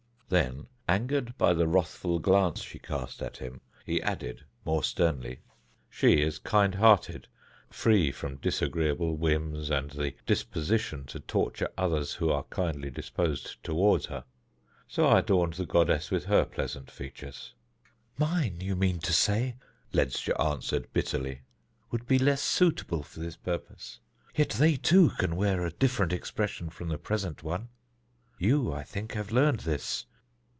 Then, angered by the wrathful glance she cast at him, he added more sternly: "She is kind hearted, free from disagreeable whims and the disposition to torture others who are kindly disposed toward her. So I adorned the goddess with her pleasant features." "Mine, you mean to say," Ledscha answered bitterly, "would be less suitable for this purpose. Yet they, too, can wear a different expression from the present one. You, I think, have learned this.